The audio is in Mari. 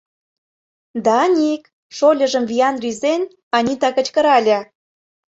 — Даник, — шольыжым виян рӱзен, Анита кычкырале.